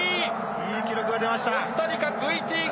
いい記録が出ました。